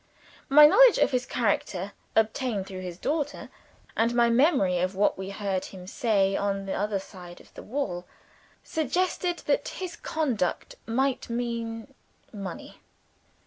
My knowledge of his character, obtained through his daughter, and my memory of what we heard him say on the other side of the wall, suggested that his conduct might mean Money.